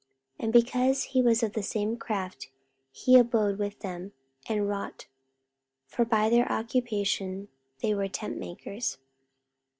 44:018:003 And because he was of the same craft, he abode with them, and wrought: for by their occupation they were tentmakers.